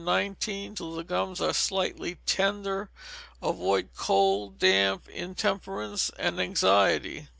19, till the gums are slightly tender. Avoid cold, damp, intemperance, and anxiety.